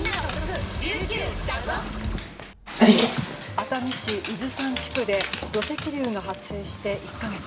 熱海市伊豆山地区で土石流が発生して１か月。